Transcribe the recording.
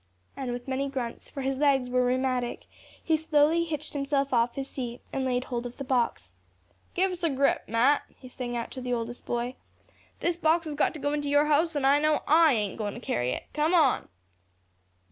And with many grunts, for his legs were rheumatic, he slowly hitched himself off his seat, and laid hold of the box. "Give us a grip, Mat," he sang out to the oldest boy. "This box has got to go into your house, an' I know I ain't a goin' to carry it. Come on!"